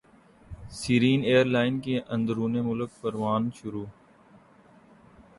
سیرین airline کی اندرون ملک پروازیں شروع